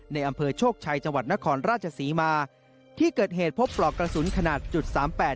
ในอำเภอโชคชัยจังหวัดนครราชศรีมาที่เกิดเหตุพบปลอกกระสุนขนาดจุดสามแปด